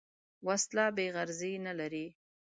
وسله بېغرضي نه لري